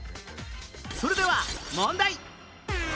それでは問題